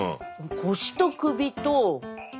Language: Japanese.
腰と首と。